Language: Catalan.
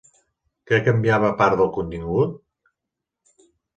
Què canviava a part del contingut?